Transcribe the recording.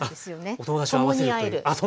お友達とあわせるという。